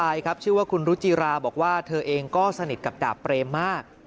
ครับชื่อว่าคุณรุจิราบอกว่าเธอเองก็สนิทกับดาบเปรมมาก